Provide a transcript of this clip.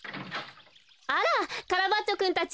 あらカラバッチョくんたち。